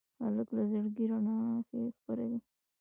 هلک له زړګي رڼا خپروي.